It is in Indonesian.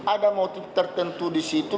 ada motif tertentu di situ